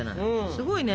すごいね。